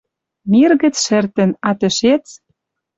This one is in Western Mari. Мир гӹц шӹртӹн, а тӹшец